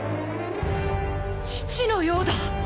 父のようだ